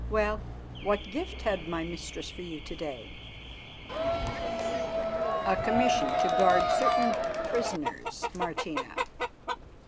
Well, what gift had my mistress for you to day?" "A commission to guard certain prisoners, Martina."